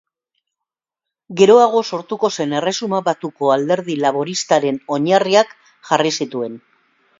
Geroago sortuko zen Erresuma Batuko Alderdi Laboristaren oinarriak jarri zituen.